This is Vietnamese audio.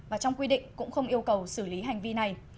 và trong quy định cũng không yêu cầu xử lý hành vi này